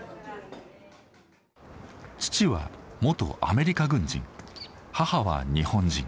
父は元アメリカ軍人母は日本人。